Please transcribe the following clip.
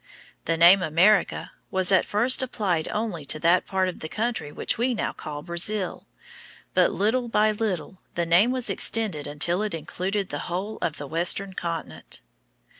The name America was at first applied only to that part of the country which we now call Brazil, but little by little the name was extended until it included the whole of the Western Continent.